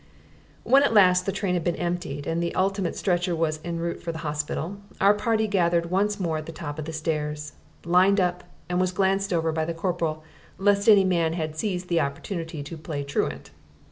When at last the train had been emptied and the ultimate stretcher was en route for the hospital, our party gathered once more at the top of the stair, lined up, and was glanced over by the corporal lest any man had seized the opportunity to play truant.